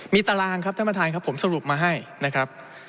มีตารางครับท่านประธานครับผมสรุปมาให้นะครับ